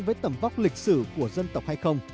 với tầm vóc lịch sử của dân tộc hay không